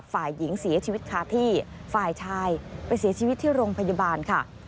ฝ่ายหญิงเสียชีวิตคาที่ฝ่ายชายไปเสียชีวิตที่โรงพยาบาลค่ะ